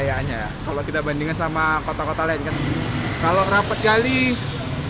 kalau di medan ini kurang ya kalau kita bandingkan sama kota kota lain kalau rapat sekali kurang